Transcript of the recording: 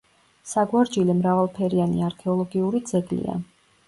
საგვარჯილე მრავალფენიანი არქეოლოგიური ძეგლია.